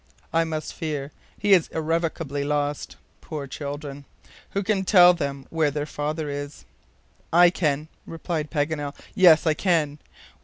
"I must fear he is irrevocably lost. Poor children! Who can tell them where their father is?" "I can!" replied Paganel. "Yes; I can!"